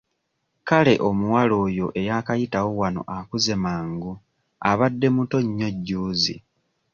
Kale omuwala oyo eyaakayitawo wano akuze mangu abadde muto nnyo jjuuzi.